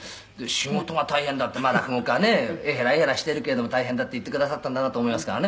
「仕事が大変だなんてまあ落語家はねえへらえへらしているけども大変だって言ってくださったんだなと思いますからね